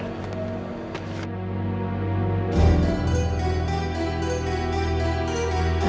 selepas ini aku melakukan penelitian